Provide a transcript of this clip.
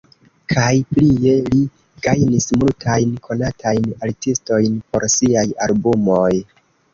Kaj plie li gajnis multajn konatajn artistojn por siaj albumoj.